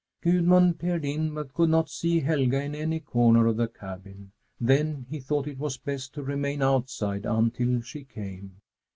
Gudmund peered in, but could not see Helga in any corner of the cabin. Then he thought it was best to remain outside until she came.